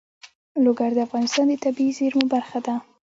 لوگر د افغانستان د طبیعي زیرمو برخه ده.